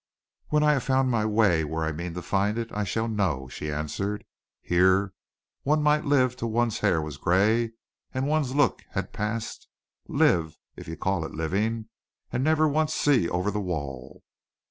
"When I have found my way where I mean to find it, I shall know," she answered. "Here, one might live till one's hair was gray and one's looks had passed, live if you call it living and never once see over the wall.